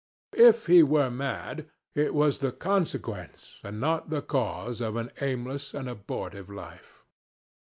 If he were mad, it was the consequence, and not the cause, of an aimless and abortive life.